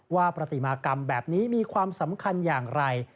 ว่าปฏิมากรรมแบบนี้มีความสำคัญอย่างไร